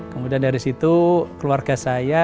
kemudian dari situ keluarga saya